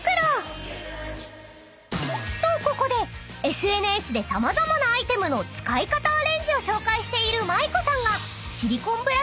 ［とここでＳＮＳで様々なアイテムの使い方アレンジを紹介しているＭａｉｋｏさんが］